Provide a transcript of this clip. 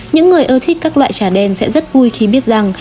những người ưa thích các loại trà đen sẽ rất vui khi biết rằng